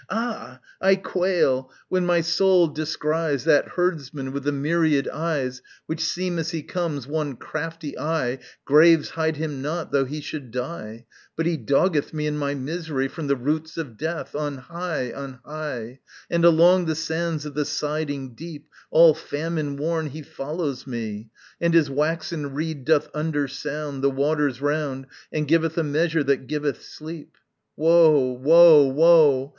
ah! I quail When my soul descries That herdsman with the myriad eyes Which seem, as he comes, one crafty eye Graves hide him not, though he should die, But he doggeth me in my misery From the roots of death, on high on high And along the sands of the siding deep, All famine worn, he follows me, And his waxen reed doth undersound The waters round And giveth a measure that giveth sleep. Woe, woe, woe!